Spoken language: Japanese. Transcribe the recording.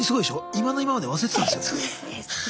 今の今まで忘れてたんですよ。